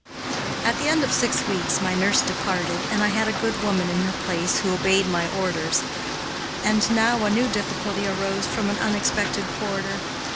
At the end of six weeks my nurse departed, and I had a good woman in her place who obeyed my orders, and now a new difficulty arose from an unexpected quarter.